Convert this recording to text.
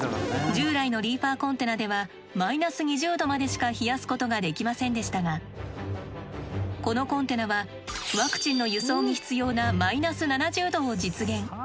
従来のリーファーコンテナでは−２０℃までしか冷やすことができませんでしたがこのコンテナはワクチンの輸送に必要な−７０℃を実現。